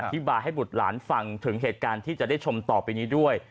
อธิบายให้บุตรหลานฟังถึงเหตุการณ์ที่จะได้ชมต่อไปนี้ด้วย